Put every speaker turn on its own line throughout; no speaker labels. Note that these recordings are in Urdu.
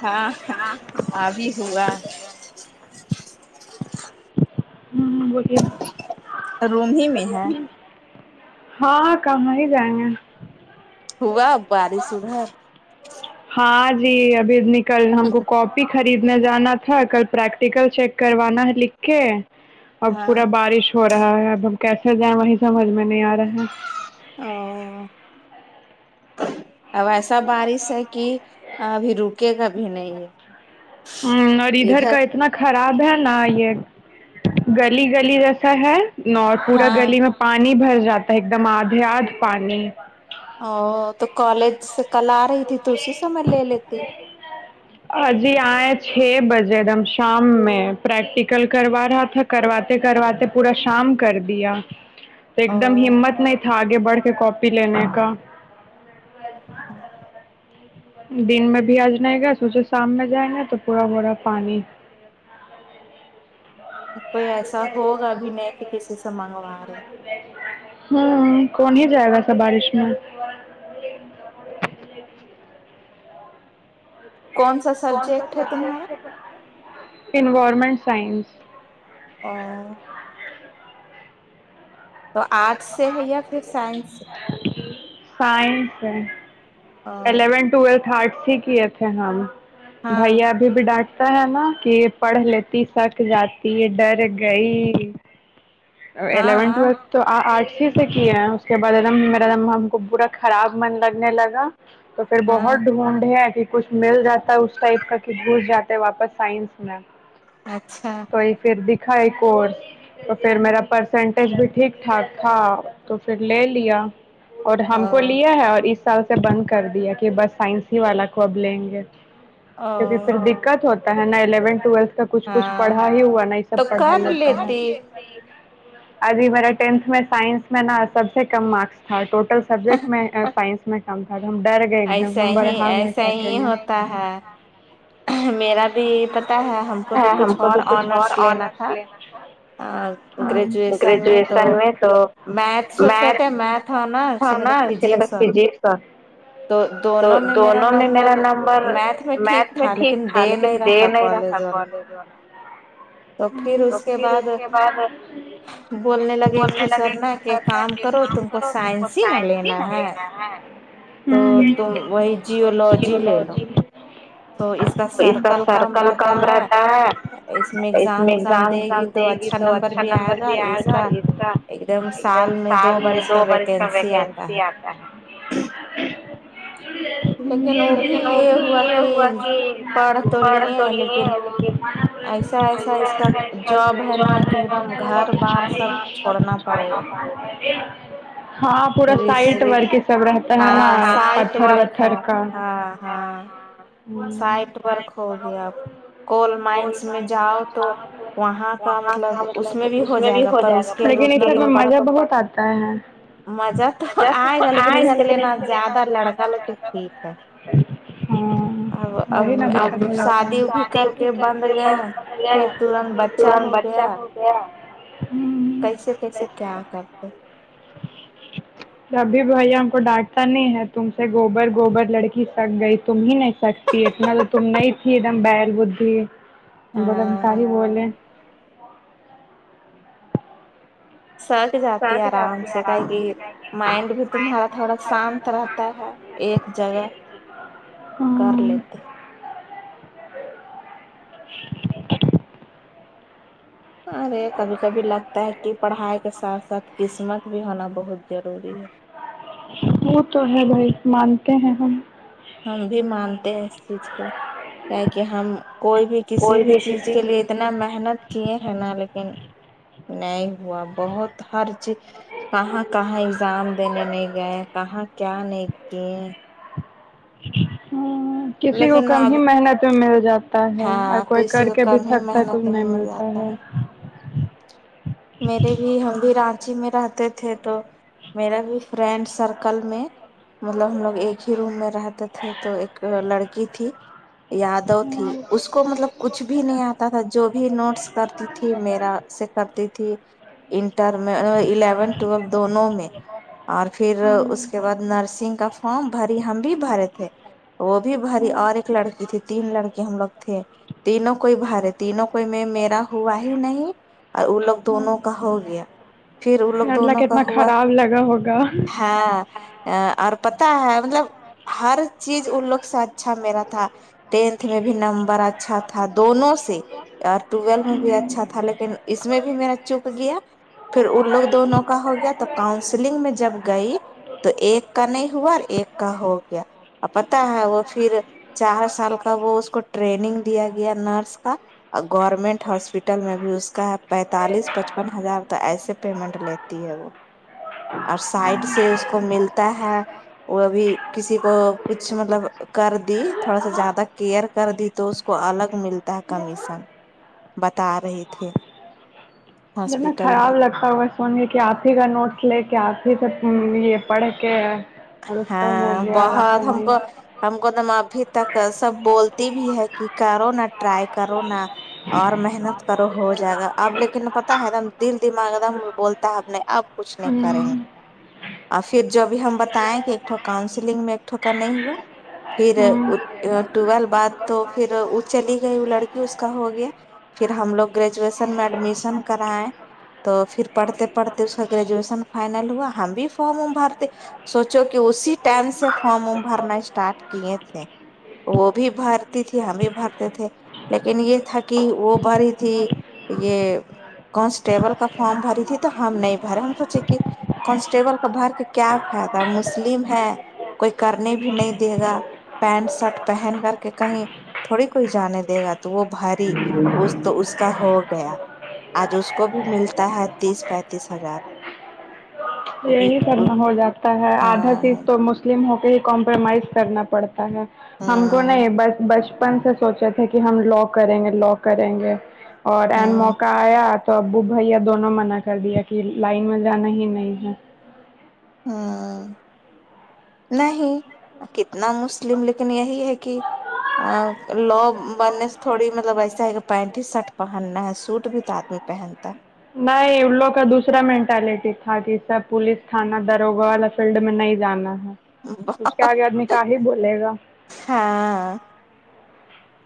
ہاں ابھی ہوا ہے
ہوں ہوں بولیے ہاں ہاں کہاں ہی جائیں گے
ہوا بارش ادھر
ہاں جی ابھی نکل ہم کو کوپ خریدنے جانا تھا کل پریکٹیکل چیک کروانا ہے لکھ کے اب پورا بارش ہو رہا ہے اب ہم کیسے جائیں وہیں سمجھ میں نہیں آ رہا ہے
اور اب ایسا بارش ہے کہ ابھی رکے گا بھی نہیں ہے
ام اور ادھر کا خراب ہے نا یہ گلی گلی جیسا ہے نو پورا گلی میں پانی بھر جاتا ہے ایک دم آدھے آدھ پانی
او تو کالج سے کل آ رہی تھی تو اسی سمے میں لے لیتی
ا جی آئے چھ بجے ایک دم شام میں پریکٹیکل کروا رہا تھا کرواتے کرواتے پورا شام کر دیا تو ایک دم ہمت نہیں تھا آگے بڑھ کے کاپی لینے کا دن میں بھی آج نہیں گیا سوچے شام میں جائیں گے تو پورا ہو رہا ہے پانی
کوئی ایسا ہوگا بھی نہیں کہ کسی سے منگوا رہے
ہوں کون ہی جائے گا اتنا بارش میں [inaudible]
کونس
کون سا سبجیکٹ ہے انوائرمنٹ سائنس
اور تو آرٹس سے ہے یا پھر سائنس سے
سائنس ہے الیونتھ ٹویل تھرڈ سے کیے تھے ہم بھیا بھی ڈانٹتا ہے نا کہ پڑھ لیتی سک جاتی ڈر گئی الیون ٹویلو تو آرٹ سے کیے اس کے بعدم میرا دم ہم کو پورا خراب من لگنے لگا تو پھر بہت ڈھونڈے کچھ مل جاتا ہے اس ٹائپ کا کہ گھس جاتے ہے واپس سائنس میں
اچھا
تو یہ پھر دکھا یہ کورس تو پھر میرا پرسینٹیج بھی ٹھیک ٹھاک تھا تو پھر لے لیا اور ہم کو لیا ہے اور اس سال سے ڈنک کر دیا کہ بس سائنس ہی والا کو اب لیں گے تو پھر پھر د دقت ہوتا ہے نہ الیونتھ ٹویلتھ کا کچھ کچھ پڑھائی ہی ہوا نہ یہ سب پڑھائی ہوتا ہے ابھی میرا ٹینتھ میں سائنس میں نا سب سے کم مارکس ہے تو ایک سبجیکٹ میں سائنس میں کم تھا تو ہم ڈر گئے
ایسا ہی ایسا ہی ہوتا ہے میرا بھی پتا ہے ہم کو بھی کچھ اور آنرس لینا تھا گریجویشن میں تو میتھ سوچ رہے تھے میتھ اور نا س تو فزکس ہے
تو دونوں میں میرا نمبر میتھ میں ٹھیک تھا لیکن دے نہیں رہا کالج والا ہمم تو پھر اس کے بعد بولنے لگے [unintelligible] ایک کام کرو تم کو سائنس ہی نہ لینا ہے
تو تم وہی جیو لاجی لے لو
تو اس کا سرکل کم رہتا ہے اس میں ایگزام وگزام دے گی تو اچھا نمبر بھی آئے گا اور اس کا ایک دم سال میں دو بار اس کا ویکینسی آتا ہے لیکن وہ بھی یہ ہوا کہ پڑ تو لیے لیکن پ ای [unintelligible] ہاں پورا سائٹ ورک سب رہتا پتھر وتر کا کرو [unintelligible] وہاں کا مطلب اس میں بھی ہو جائے گا لیکن اسمیں مزہ بہت آتا ہے م تو آ ننگ نل جگ آ [unintelligible] ہاں بھی [unintelligible] تورنت بچہ ہو گیا
کیسے کیسے کیا کرتے
جب بھی بھیا ہم کو ڈانٹ پتا نہیں ہے تم سے گوبر گوبر لڑکی سڑھ گئی تم ہی نہیں سکتی اتنا لو تم نہیں ہی تھی ایک دم بیل بدھی بے کا ہی بولے
سک جاتی ہے آرام سے کایں کہ مائنڈ بھی تمہارا تھوڑا شانت رہتا ہے ایک جگہ کر لیتے ارے کبھی کبھی لگتا ہے کہ پڑھائی کے ساتھ ساتھ قسمت بھی ہونا بہت ضروری ہے
وہ تو ہے بھائی مانتے ہیں ہم
ہم بھی مانتے ہیں اس چیز کو کیا کہ ہم کوئی بھی کسی بھی چیز کے لیے اتنا محنت کیے ہیں نا لیکن نہیں ہوا بہت ہر چیز کہاں کہاں ایگزام دینے نہیں گئے کہاں کیا نہیں کیے
ہوں کسی کو کم ہی محنت میں مل جاتا ہے اور کوئی کر کے بھی تھکتا ہے کچھ نہیں ملتا ہے
میرے بھی ہم بھی رانچی میں رہتے تھے تو میرا بھی فرینڈ سرکل میں مطلب ہم لوگ ایک ہی روم میں رہتے تھے تو ایک لڑکی تھی یاد تھی اس کو مطلب کچھ بھی نہیں آتا تھا جو بھی نوٹس کرتی تھی میرا سے کرتی ت تھی انٹر میں الیون ٹویل دونوں میں اور پھر اس کے بعد نرسنگ کا ہاں بھری ہم بھی بھرے تھے وہ بھی بھری اور ایک لڑکی تھی تین لڑکی ہم لوگ تھے تینوں کوئی بارے تینوں کوئی میں میرا ہوا ہی نہیں دونوں کا ہو گیا پھر وہ لوگ دونوں کا ہوا ہاں اور پتا ہے مطلب ہر چیز ان لوگ سے اچھا میرا تھا ٹینتھ میں بھی نمبر اچھا تھا دونوں سے یار ٹویل میں بھی اچھا تھا لیکن اس میں بھی میرا چوپ گیا پھر ان لوگ دونوں کا ہو گیا تو کاؤنسلنگ میں جب گئی تو ایک کا نہیں ہوا اور ایک کا ہو گیا ا پتہ ہے وہ پھر چار سال کا وہ اس کو ٹرینگ دیا گیا نرس کا گورنمنٹ ہاسپٹل میں بھی اس کا ہے پینتالیس پچپن ہزار تک ایسے پیمنٹ لیتی ہے وہ اور سائڈ سے اس کو ملتا ہے وہ ابھی کسی کو کچھ مطلب کر دی تھوڑا سا زیادہ کیئر کر دی تو اس کو الگ ملتا ہے کمیشن بتا رہے تھے
جتنا خیال لگتا خبر سنے کہ آپ ہی کا نوٹس لے کے آپ ہی سے یہ پڑھ کے
ہاں بہوت ہم کو ہم کو تو ابھی تک سب بولتی بھی ہے کہ کرو نا ٹرائی کرو نا اور محنت کرو ہو جائے گا اب لیکن پتا ہے ایک دم دل دماغ ایک دم بولتا ہے اب نہیں اب کچھ نہیں کریں گے اور پھر جو بھی ہم بتائیں کہ ایکٹ کاؤنسلنگ میں ایکٹھو کا نہیں ہوا پھر ٹویل بعد تو پھر وہ چلی گئی وہ لڑکی اس کا ہو گیا پھر ہم لوگ گریجویشن میں ایڈمیشن کرائے تو پھر پڑھتے پڑھتے اس کا گریجویشن فائنل ہوا ہم بھی فارم ورم بھر تےسوچ جو کہ اسی ٹائم سے فارم وم بھرنا اسٹارٹ کیے تھے وہ بھی بھرتی تھی ہم بھی بھرتے تھے لیکن یہ تھا کہ وہ بھاری تھی یہ کانسٹیبل کا فارم بری تھی تو ہم نہیں بھر ہم سوچے کہ کانسٹیبل کا بھر کے کیا فائدہ ہم مسلم ہے کوئی کرنے بھی نہیں دے گا پینٹ شرٹ پہن کر کے کہیں تھوڑی کوئی جانے دے گا تو وہ بھاری اس تو اس کا ہو گیا
یہ کرنا ہے آدھا چیز تو مسلم ہو کے ہی کمپرومائز کرنا پڑتا ہم کو نہیں بس بچپن سے سوچے تھے کہ ہم لوگ کریں گے لو کریں گے اور اینڈ موقع آیا تو ابو بھیا دونوں منع کر دیا کہ لائن میں جانا ہی نہیں ہے
ہوں نہیں کتنا مسلم لیکن یہی ہے کہ ا لو بننے سے تھوڑی مطلب ایسا ہے کہ پینٹ ہی شرٹ پہننا ہے سوٹ بھی تو آدمی پہنتا
نہیں ان لوگ کا دوسرا مینٹالٹی تھا کہ سب پولیس تھانا دروگا فیلڈ میں نہیں جانا ہے اس کے آگے آدمی کا ہی بولے گا
ہاں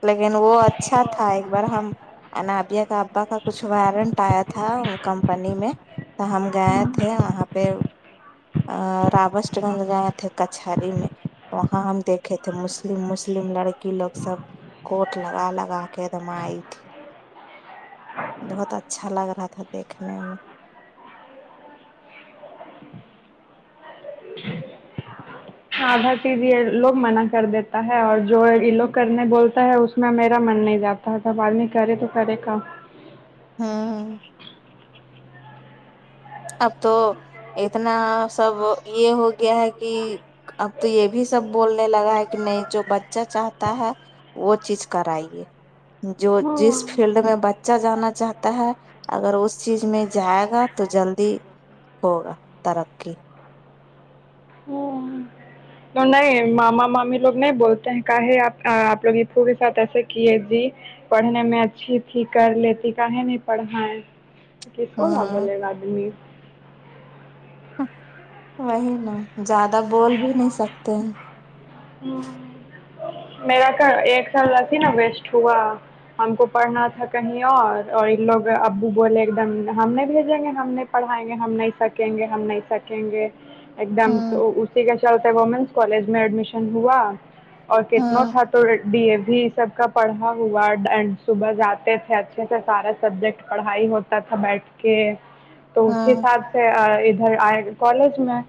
لیکن وہ اچھا تھا ایک بار ہم انابیہ کا ابا کا کچھ وارنٹ آیا تھا کمپنی میں تو ہم گئے تھے وہاں پہ آ رابسٹ گنج گئے تھے کچھہاری میں وہاں ہم دیکھے تھے مسلم مسلم لڑکی لوگ سب کوٹ لگا لگا کے دم آئی تھی بہت اچھا لگ رہا تھا دیکھنے میں
ہاں بھتیجی ہے یہ لوگ منع کر دیتا ہے اور جو یہ لوگ کرنے بولتا ہے اس میں میرا من نہیں جاتا اب اب آدمی کرے تو کرے کیا
ہوں ہوں اب تو اتنا سب یہ ہو گیا ہے کی اب تو یہ بھی سب بولنے لگا ہے کی نہیں جو بچہ چاہتا ہے وہ چیز کرائیے جو جس فیلڈ میں بچہ جانا چاہتا ہے اگر اس چیز میں جائیگا تو جلدی ہوگا ترقی
نہیں ماما مامی لوگ نہیں بولتے ہیں کاہے آپ آپ لوگ نے میرے ساتھ ایسے کیے جی پڑھنے میں اچھی تھی کر لیتی کا ہے نہیں پڑھاۓ کس کو بولے گا آدمی
وہی نہ زیادہ بول بھی نہیں سکتے ہیں
ھمم میرا کا ایک سال ایسی ہی نہ ویسٹ ہوا ہم کو پڑھنا تھا کہیں اور اور ان لوگ ابو بولے ایک دم ہم نہیں بھیجیںگے ہم نہیں پڑھائیں گے ہم نہیں سکیںگے ہم نہیں سکیںگے ایک دم تو اسی کے چلتے ومنس کالج میں ایڈمیشن ہوا اور کتنا تھا تو ڈی اے بھی سب کا پڑھا ہوا اینڈ صبح جاتے تھے اچھے سے سارا سبجیکٹ پڑھائی ہو تا تھا بیٹھ کے تو اس حساب سے آ ادھر آئے کالج میں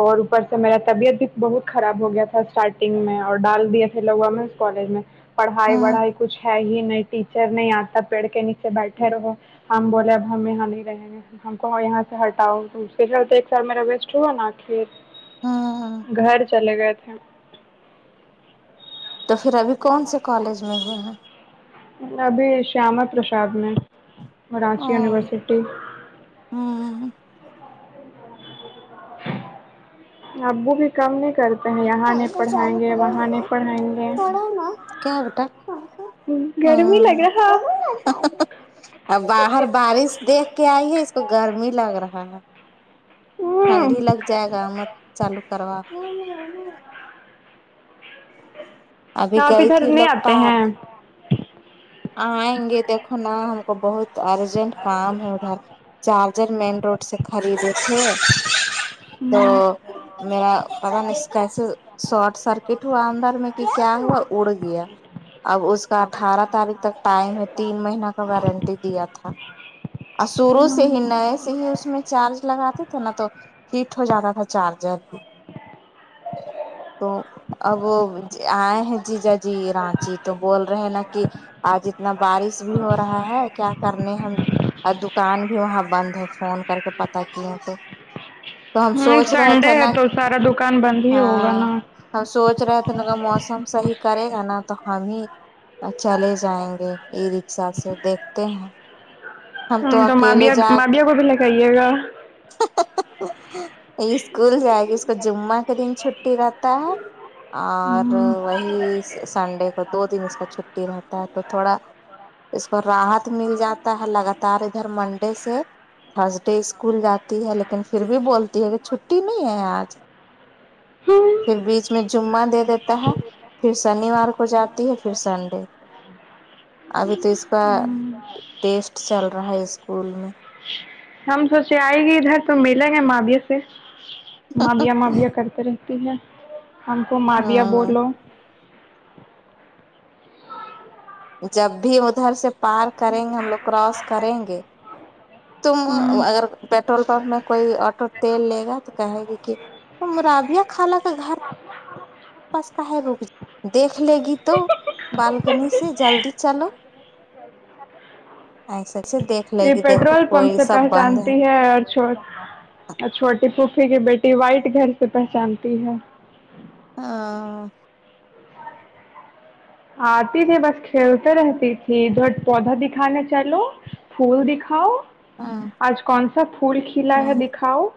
اور اوپر تو میرا طبیعت بھی بہت خراب ہو گیا تھا اسٹارٹنگ میں اور ڈال دیے تھے وومنس کالج میں پڑھائی وڑھائی کچھ ہے ہی نہیں ٹیچر نہیں آتا پیڑ کے نیچے بیٹھے رہو ہم بولے اب ہم یہاں نہیں رہینگے ہم کو یہاں سے ہٹاؤ تو اس کے چلتے ایک سال میرا ویسٹ ہوا نہ پھر
ہاں ہاں
گھر چلے گئے تھے ہم
تو پھر ابھی کون سے کالج میں ہوا ہے
ابھی شیامت پراشاد میں رانچی یونیورسٹی
ھمم
ابو بھی کم نہیں کرتے یہاں نہیں پڑھائیںگے وہاں نہیں پڑھائیںگے
کیا بیٹا ہاں اب باہر بارش دیکھ کے آئی ہے اسکو گرمی لگ رہا ہے ٹھنڈی لگ جائے گا مت چالو کروا
آپ ادھر نہیں آتے ہیں
آئیںگے دیکھو نا ہم کو بہت ارجنٹ کام ہے ادھر چارجر مین روڈ سے خریدے تھے تو میرا [unintelligible] شارٹ سرکٹ ہوا اندر میں کی کیا ہوا اڑھ گیا اب اس کا آٹھارہ تاریخ تک ٹائم ہے تین مہینہ کا وارنٹی دیا تھا اور شروع سے ہی نئے سے ہی اس میں چارج لگاتے تھے نا تو ہیٹ ہو جارا تھا چارجر بھی تو اب آئے ہیں جی جاجی رانچی تو بول رہے ہیں نا کہ آج اتنا بارش بھی ہو رہا ہے کیا کرنے ہم اور دکان بھی وہاں بند ہے فون کر کے پتا کیے تو تو ہم سوچ رہے تھے نا ہاں ہم سوچ رہے تھے نا اگر موسم صحیح کرے گا نا تو ہمیں چلے جائیں گے اور ای رکشا سے دیکھتے ہیں
ہوں تو مابیہ مابیہ کو بھی لے کے آئیے گا
ہں ہن ہں۔۔۔۔ اسکول جائے گی اس کو جمعہ کے دن چھٹی رہات تا ہےاور وہی سنڈے کو دو دن اس کا چھٹی رہتا تو تھوڑا اس کو راحت مل جاتا ہے لگاتار ادھر منڈے سے تھرس ڈے اسکول جاتی ہے لیکن پھر بھی بولتی ہے کہ چھٹی نہیں ہے آج
ہوں
پھر بیچ میں جمعہ دے دیتا ہے پھر شنیوار کو جاتی ہے پھر سنڈے ابھی تو اس کا ٹیسٹ چل رہا ہے اسکول میں
ہم سوچے آئے گی ادھر تو ملیں ہے مابیہ سے مابیہ مابیہ کرتے رہی ٹھیک ہے ہم کو مابیہ بولو
جب بھی ادھر سے پار کریں گے ہم لوگ کراس کریں گے تم اگر پیٹرول پمپ میں کوئی آٹو تیل لے گا تو کہے گی کہ تم رابیہ خالہ کا گھر
[inaudible]
بس کا ہے رو بی دیکھ لے گی تو بالکنی سے جلدی چلو ایسے سیڈ سے دیک
یہ پیٹرول پمپ سے پہچانتی ہے اور چھوٹ اور چھوٹی پھوفھی کی بیٹی وائٹ گھر سے پہچانتی ہے
ہاں
آتی تھی بس کھیلتے رہتی تھی جٹ پودا دیکھانے چلو پھول دکھاؤ آج کون سا پھول کھلا ہے دکھاؤ